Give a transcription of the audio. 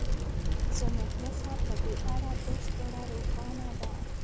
زموږ موخه په دې اړه بشپړه روښانه ده